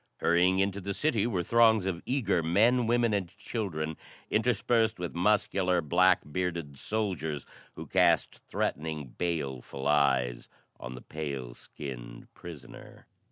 Hurrying into the city were throngs of eager men, women and children, interspersed with muscular, black bearded soldiers who cast threatening, baleful eyes on the pale skinned prisoner.